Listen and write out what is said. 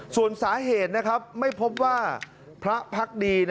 ส่วนสาเหตุไม่พบว่าพระพักดี